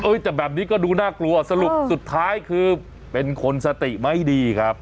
แต่แบบนี้ก็ดูน่ากลัวสรุปสุดท้ายคือเป็นคนสติไม่ดีครับ